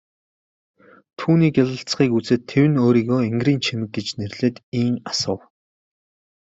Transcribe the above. Түүний гялалзахыг үзээд тэвнэ өөрийгөө энгэрийн чимэг гэж нэрлээд ийн асуув.